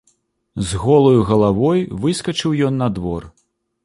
З голаю галавой выскачыў ён на двор.